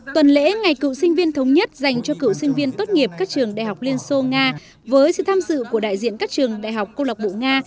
tuần lễ ngày cựu sinh viên thống nhất dành cho cựu sinh viên tốt nghiệp các trường đại học liên xô nga với sự tham dự của đại diện các trường đại học công lạc bộ nga